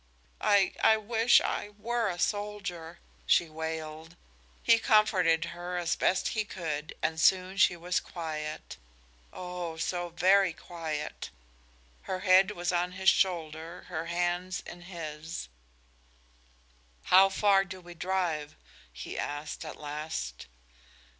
"I I wish I were a soldier!" she wailed. He comforted her as best he could and soon she was quiet oh, so very quiet. Her head was on his shoulder, her hands in his. "How far do we drive?" he asked, at last.